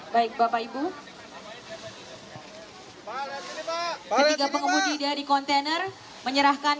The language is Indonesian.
baik bapak ibu ketiga pengemudi dari kontainer menyerahkan